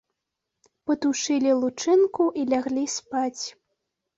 Патушылі лучынку і ляглі спаць.